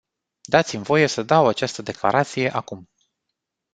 Dați-mi voie să dau această declarație acum.